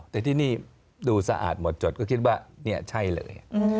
แต่ที่นี่ดูสะอาดหมดจดก็คิดว่านี่ใช่เลย